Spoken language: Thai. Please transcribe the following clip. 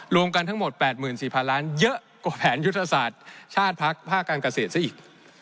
รวมกันทั้งหมด๘๔๐๐ล้านเยอะกว่าแผนยุทธศาสตร์ชาติพักภาคการเกษตรซะอีก